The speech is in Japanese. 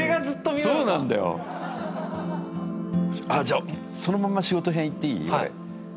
じゃあそのまんま仕事編いっていい？